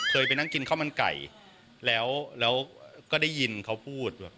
เคยไปนั่งกินข้าวมันไก่แล้วแล้วก็ได้ยินเขาพูดแบบ